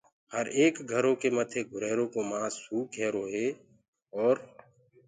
هر ايڪ گھرو ڪي مٿي گُھريرو ڪو مآس سوڪ هيروئي اور